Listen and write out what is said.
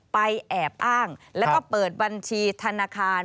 แอบอ้างแล้วก็เปิดบัญชีธนาคาร